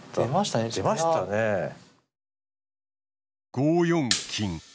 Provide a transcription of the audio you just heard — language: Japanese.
５四金。